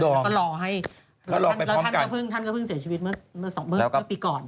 แล้วก็รอให้แล้วท่านก็เพิ่งท่านก็เพิ่งเสียชีวิตเมื่อปีก่อน